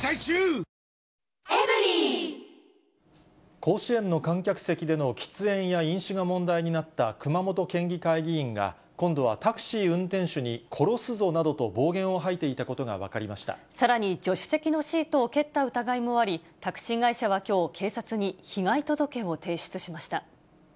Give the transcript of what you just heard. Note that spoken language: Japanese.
甲子園の観客席での喫煙や飲酒が問題になった熊本県議会議員が、今度はタクシー運転手に殺すぞなどと暴言を吐いていたことが分かさらに、助手席のシートを蹴った疑いもあり、タクシー会社はきょう、警察に被害届を提出しました。